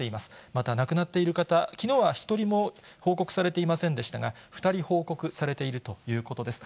また亡くなっている方、きのうは１人も報告されていませんでしたが、２人報告されているということです。